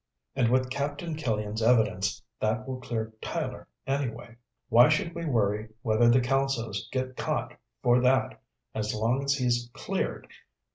And with Captain Killian's evidence, that will clear Tyler anyway. Why should we worry whether the Kelsos get caught for that as long as he's cleared?